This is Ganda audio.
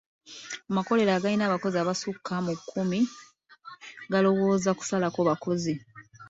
Amakolero agalina abakozi abasukka mu kkumi galowooza kusalako bakozi.